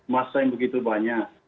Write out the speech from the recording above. masa yang begitu banyak